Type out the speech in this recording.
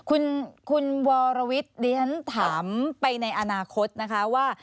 คุณวรวิทย์ดิฉันถามไปในอนาคตนะคะว่า